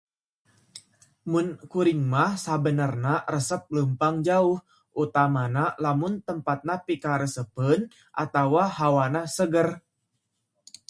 Mun kuring mah sabenerna resep leumpang jauh, utamana lamun tempatna pikaresepeun atawa hawa na seger.